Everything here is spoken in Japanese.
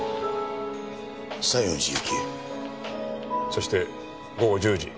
そして午後１０時。